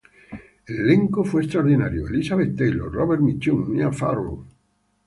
El elenco fue extraordinario: Elizabeth Taylor, Robert Mitchum, Mia Farrow.